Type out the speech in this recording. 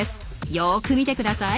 よく見てください。